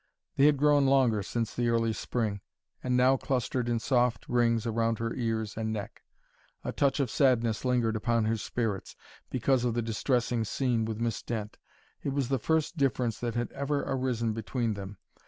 They had grown longer since the early Spring, and now clustered in soft rings around her ears and neck. A touch of sadness lingered upon her spirits, because of the distressing scene with Miss Dent. It was the first difference that had ever arisen between them.